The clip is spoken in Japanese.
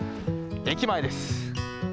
駅前です。